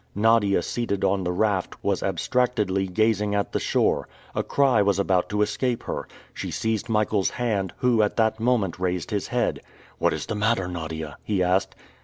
Nadia seated on the raft, was abstractedly gazing at the shore. A cry was about to escape her. She seized Michael's hand, who at that moment raised his head. "What is the matter, Nadia?" he asked.